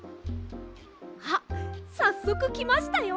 あっさっそくきましたよ！